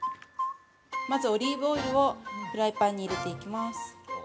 ◆まず、オリーブオイルをフライパンに入れていきます。